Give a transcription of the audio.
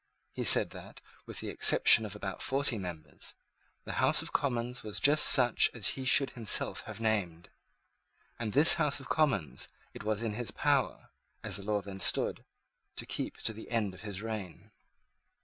He Said that, with the exception of about forty members, the House of Commons was just such as he should himself have named. And this House of Commons it was in his power, as the law then stood, to keep to the end of his reign.